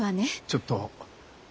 ちょっと。